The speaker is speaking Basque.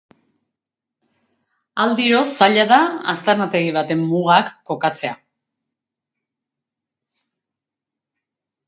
Aldiro zaila da aztarnategi baten mugak kokatzea.